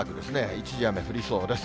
一時雨、降りそうです。